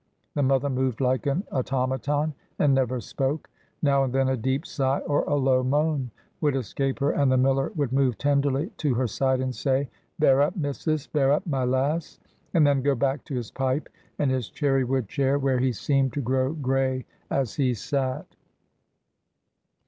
The mother moved like an automaton, and never spoke. Now and then a deep sigh or a low moan would escape her, and the miller would move tenderly to her side, and say, "Bear up, missus; bear up, my lass," and then go back to his pipe and his cherry wood chair, where he seemed to grow gray as he sat.